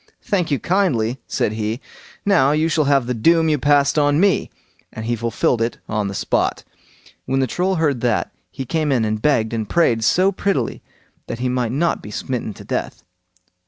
"Thank you kindly", said he. "Now you shall have the doom you passed on me", and he fulfilled it on the spot. When the old Troll heard that, he came in and begged and prayed so prettily that he might not be smitten to death.